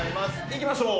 いきましょう。